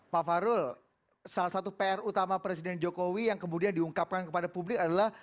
pak farul salah satu pr utama presiden jokowi yang kemudian diungkapkan kepada publik adalah